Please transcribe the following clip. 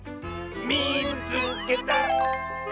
「みいつけた！」。